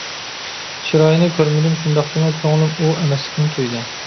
چىرايىنى كۆرمىدىم شۇنداقتىمۇ كۆڭلۈم ئۇ ئەمەسلىكىنى تۇيدى.